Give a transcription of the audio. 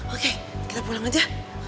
oke kita pulang aja